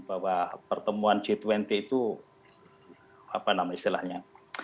bahwa pertemuan g dua puluh itu apa namanya istilahnya